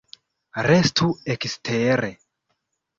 Restu ekstere!